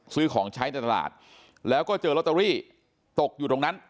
ซื้อของใช้ในตลาดแล้วก็เจอลอตเตอรี่ตกอยู่ตรงนั้น